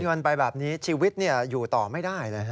พอสูญญนไปแบบนี้ชีวิตเนี่ยอยู่ต่อไม่ได้เลยนะฮะ